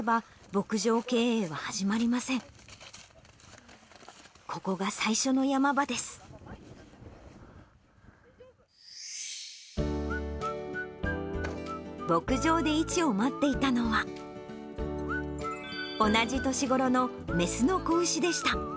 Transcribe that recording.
牧場でイチを待っていたのは、同じ年頃の雌の子牛でした。